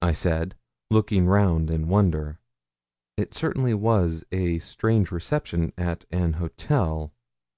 I said, looking round in wonder. It certainly was a strange reception at an hotel.